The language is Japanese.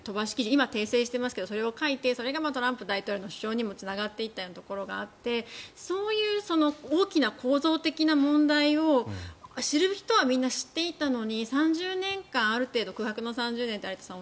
今は訂正していますがそれを書いてそれがトランプ前大統領の主張にもつながっていったところがあってそういう大きな構造的な問題を知る人はみんな知っていたのに３０年間ある程度３０年の空白があると有田さん